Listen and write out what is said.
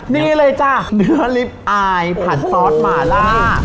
นี่เลยจ้ะเนื้อลิฟต์อายผัดซอสหมาล่า